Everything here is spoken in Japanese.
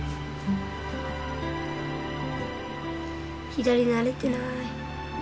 左慣れてない。